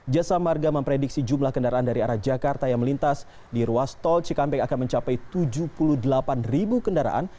jasa marga memprediksi jumlah kendaraan dari arah jakarta yang melintas di ruas tol cikampek akan mencapai tujuh puluh delapan ribu kendaraan